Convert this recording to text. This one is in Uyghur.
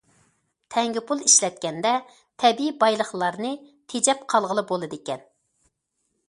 تەڭگە پۇل ئىشلەتكەندە تەبىئىي بايلىقلارنى تېجەپ قالغىلى بولىدىكەن.